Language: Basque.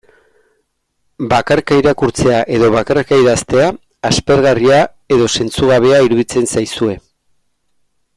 Bakarka irakurtzea edo bakarka idaztea, aspergarria edo zentzugabea iruditzen zaizue.